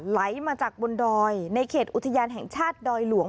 ไหลมาจากบนดอยในเขตอุทยานแห่งชาติดอยหลวง